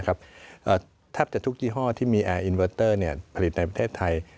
แทบจะทุกยี่ห้อที่มีแอร์อินเวอร์เตอร์ผลิตในประเทศไทย